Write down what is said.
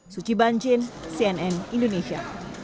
suci banjin cnn indonesia